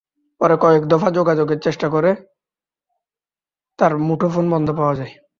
পরে কয়েক দফা যোগাযোগের চেষ্টা করে তাঁর মুঠোফোন বন্ধ পাওয়া যায়।